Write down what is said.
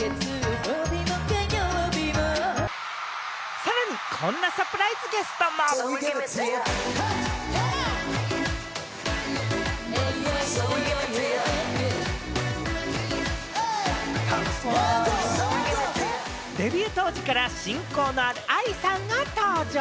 さらに、こんなサプライズゲデビュー当時から親交のあるＡＩさんが登場。